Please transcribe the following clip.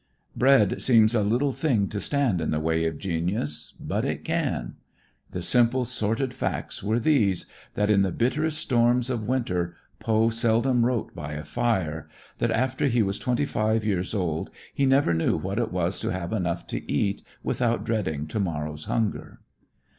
Bread seems a little thing to stand in the way of genius, but it can. The simple sordid facts were these, that in the bitterest storms of winter Poe seldom wrote by a fire, that after he was twenty five years old he never knew what it was to have enough to eat without dreading tomorrow's hunger.